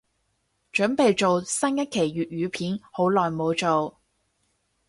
凖備做新一期粤語片，好耐無做